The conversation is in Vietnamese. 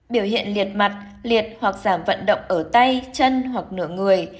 biểu hiện liệt mặt liệt hoặc giảm vận động ở tay chân hoặc nửa người